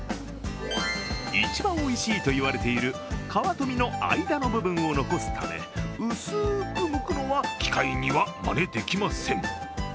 一番おいしいといわれている皮と身の間の部分を残すため薄ーくむくのは機械にはまねできません。